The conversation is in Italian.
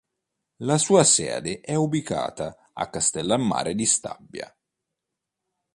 La sua sede è ubicata a Castellammare di Stabia.